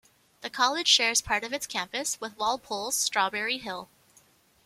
The college shares part of its campus with Walpole's Strawberry Hill.